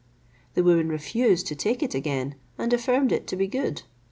The woman refused to take it again, and affirmed it to be good.